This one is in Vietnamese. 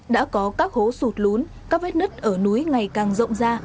đã có các hố sụt lún các vết nứt ở núi ngày càng rộng ra